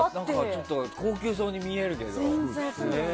ちょっと高級そうに見えるけど。